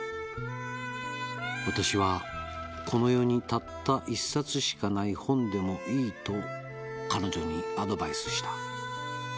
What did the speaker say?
「私はこの世にたった一冊しかない本でもいいと彼女にアドバイスした」